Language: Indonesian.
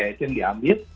itu yang diambil